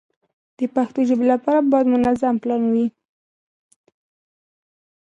د پښتو ژبې لپاره باید منظم پلان وي.